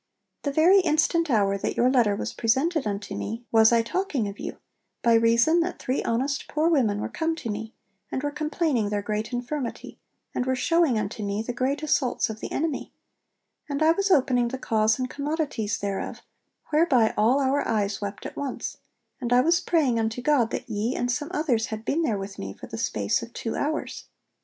'The very instant hour that your letter was presented unto me, was I talking of you, by reason that three honest poor women were come to me, and were complaining their great infirmity, and were showing unto me the great assaults of the enemy, and I was opening the cause and commodities thereof, whereby all our eyes wept at once; and I was praying unto God that ye and some others had been there with me for the space of two hours.